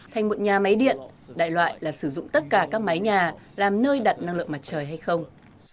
thành một nhà máy điện đại loại là sử dụng tất cả các máy nhà làm nơi đặt năng lượng mặt trời hay không